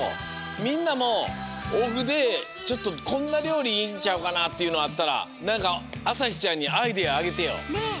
みんなもおふでちょっとこんなりょうりいいんちゃうかなっていうのあったらなんかあさひちゃんにアイデアあげてよ！